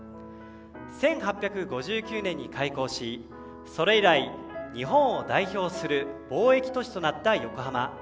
１８５９年に開港し、それ以来日本を代表する貿易都市となった横浜。